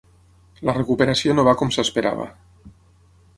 La recuperació no va com s’esperava.